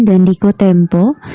dan diko tempo